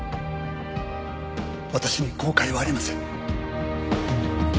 私に後悔はありません。